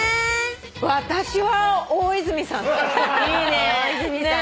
私は大泉さん。